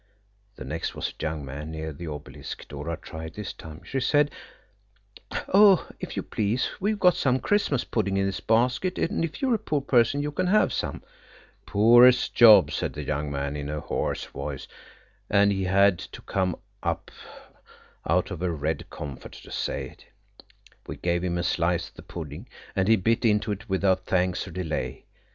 The next was a young man near the Obelisk. Dora tried this time. She said, "Oh, if you please we've got some Christmas pudding in this basket, and if you're a poor person you can have some." "Poor as Job," said the young man in a hoarse voice, and he had to come up out of a red comforter to say it. We gave him a slice of the pudding, and he bit into it without thanks or delay.